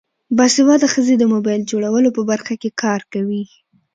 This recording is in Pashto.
باسواده ښځې د موبایل جوړولو په برخه کې کار کوي.